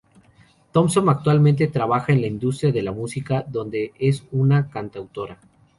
Thomson actualmente trabaja en la industria de la música donde es una cantautora.